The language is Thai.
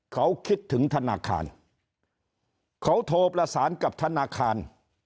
เขาคิดถึงธนาคารเขาโทรประสานกับธนาคาร